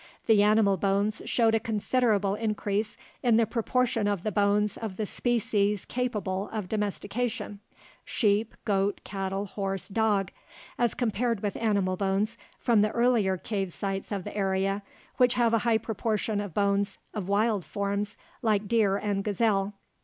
The animal bones showed a considerable increase in the proportion of the bones of the species capable of domestication sheep, goat, cattle, horse, dog as compared with animal bones from the earlier cave sites of the area, which have a high proportion of bones of wild forms like deer and gazelle.